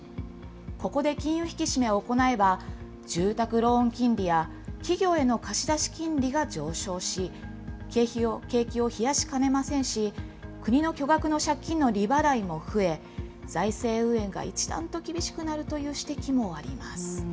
ここで金融引き締めを行えば、住宅ローン金利や企業への貸し出し金利が上昇し、景気を冷やしかねませんし、国の巨額の借金の利払いも増え、財政運営が一段と厳しくなるという指摘もあります。